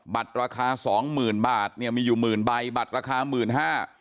บัตรราคา๒๐๐๐๐บาทเนี่ยมีอยู่๑๐๐๐๐ใบบัตรราคา๑๕๐๐๐